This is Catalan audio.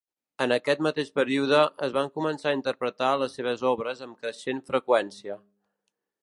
En aquest mateix període es van començar a interpretar les seves obres amb creixent freqüència.